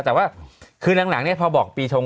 แต่ว่าคือหลังเนี่ยพอบอกปีชง